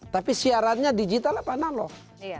tapi siarannya digital analog